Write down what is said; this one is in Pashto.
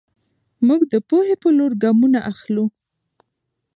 موږ د پوهې په لور ګامونه اخلو.